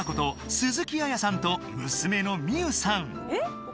鈴木綾さんと娘の美結さん